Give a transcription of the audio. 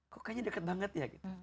kok kayaknya deket banget ya gitu